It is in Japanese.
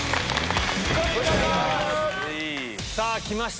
さあ、きました。